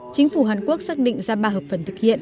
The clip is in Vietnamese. chính phủ hàn quốc xác định ra ba hợp phần thực hiện